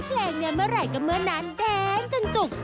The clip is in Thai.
เพลงนี้เมื่อไหร่ก็เมื่อนั้นแดงจนจุก